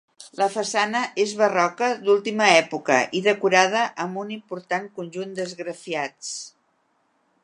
La façana és barroca d'última època i decorada amb un important conjunt d'esgrafiats.